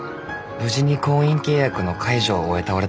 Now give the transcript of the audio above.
無事に婚姻契約の解除を終えた俺たちは。